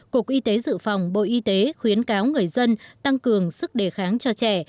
cục y tế dự phòng bộ y tế khuyến cáo người dân tăng cường sức đề kháng cho trẻ